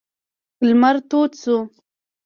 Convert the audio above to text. لمر تود شو.